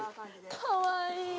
かわいい！